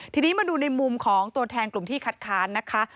ทีนี้มาดูในมุมของตัวแทนกลุ่มที่คัดค้านนะคะ